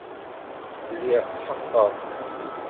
Lliɣ tḥeqqeɣ.